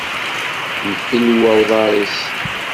Infelwa uḍaṛ-is.